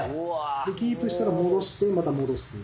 でキープしたら戻してまた戻す。